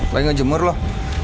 lagi nggak jemur loh